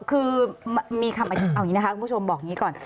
คือมีคำเอาอย่างนี้นะคะคุณผู้ชมบอกอย่างนี้ก่อน